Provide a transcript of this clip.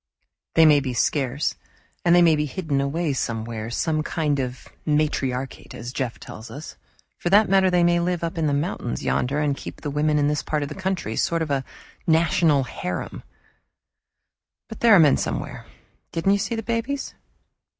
"They may be scarce, and they may be hidden away somewhere some kind of a matriarchate, as Jeff tells us; for that matter, they may live up in the mountains yonder and keep the women in this part of the country sort of a national harem! But there are men somewhere didn't you see the babies?"